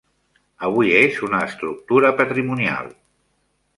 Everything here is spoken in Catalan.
Avui és una estructura patrimonial.